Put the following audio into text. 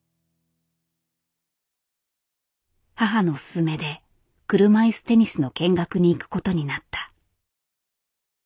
母の勧めで車いすテニスの見学に行くことになった。